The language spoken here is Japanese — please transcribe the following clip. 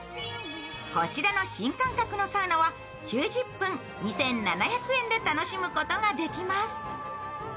こちらの新感覚のサウナは９０分２７００円で楽しむことができます。